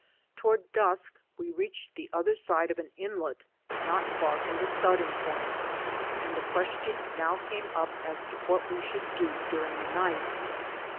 Toward dusk we reached the other side of an inlet not far from the starting point, and the question now came up as to what we should do during the night.